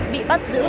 bị bắt giữ